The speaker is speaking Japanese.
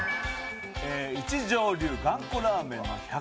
一条流がんこラーメン総本家